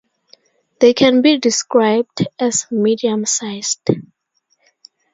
They can be described as medium-sized.